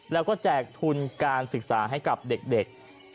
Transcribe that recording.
แล้วก็แจกทุนการศึกษาให้กับเด็ก